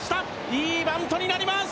いいバントになります。